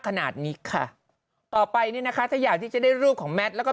ขนาดนี้ค่ะต่อไปเนี่ยนะคะถ้าอยากที่จะได้รูปของแมทแล้วก็